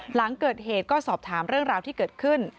หลังเกิดเหตุก็สอบถามเรื่องราวที่เกิดขึ้น